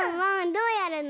どうやるの？